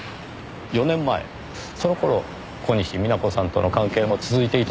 ４年前その頃小西皆子さんとの関係も続いていたのですか？